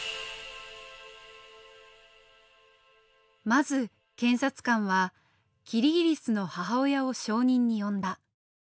まず検察官はキリギリスの母親を証人に呼んだ。